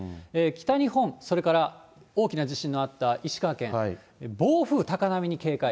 北日本、それから大きな地震のあった石川県、暴風、高波に警戒。